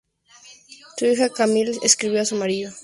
Su hija Camille escribió a su marido.